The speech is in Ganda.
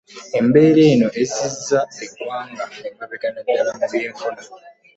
Embeera eno ezziza eggwanga emabega naddala mu by'enfuna